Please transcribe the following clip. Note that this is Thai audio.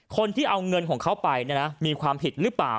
คนที่เอาเงินของเขาไปมีความผิดหรือเปล่า